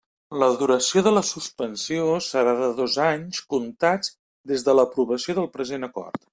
La duració de la suspensió serà de dos anys comptats des de l'aprovació del present acord.